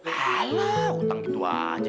lah lah ngutang gitu aja